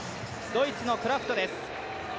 ドイツのクラフトです。